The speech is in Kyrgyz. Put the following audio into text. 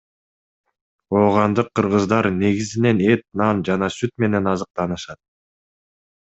Оогандык кыргыздар негизинен эт, нан жана сүт менен азыктанышат.